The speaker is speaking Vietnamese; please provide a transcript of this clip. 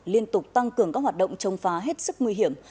liên tục tăng cường các hoạt động chống phá hết sức nguy hiểm